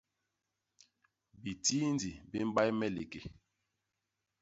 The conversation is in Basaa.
Bitindi bi mbay me liké.